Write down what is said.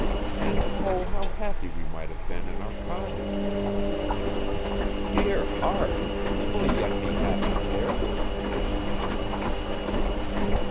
And oh how happy we might have been in our cottage!' 'Dear heart! we will yet be happy there,' answered Matthew.